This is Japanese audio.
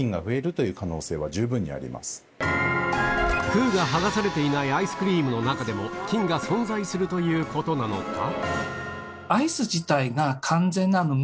封が剥がされていないアイスクリームの中でも菌が存在するということなのか？